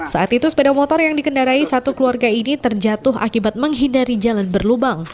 saat itu sepeda motor yang dikendarai satu keluarga ini terjatuh akibat menghindari jalan berlubang